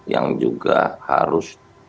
yang juga harus